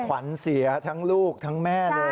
ขวัญเสียทั้งลูกทั้งแม่เลย